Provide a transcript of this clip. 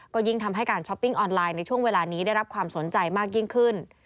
ก็ยิ่งทำให้การช้อปปิ้งออนไลน์ในช่วงเวลานี้ได้รับความสนใจมากยิ่งขึ้น